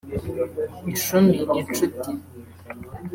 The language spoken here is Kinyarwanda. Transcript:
ishumi(inshuti)